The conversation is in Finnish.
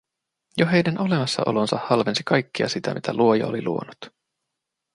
Jo heidän olemassa olonsa halvensi kaikkea sitä, mitä Luoja oli luonut.